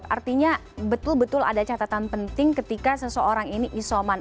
artinya betul betul ada catatan penting ketika seseorang ini isoman